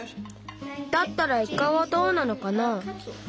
だったらイカはどうなのかな？